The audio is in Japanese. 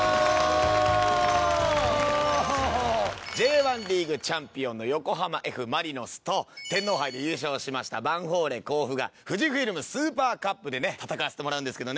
Ｊ１リーグチャンピオンの横浜Ｆ・マリノスと天皇杯で優勝しましたヴァンフォーレ甲府がＦＵＪＩＦＩＬＭＳＵＰＥＲＣＵＰでね戦わせてもらうんですけどね。